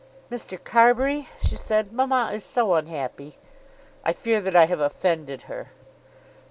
"Mr. Carbury," she said, "mamma is so unhappy!" "I fear that I have offended her."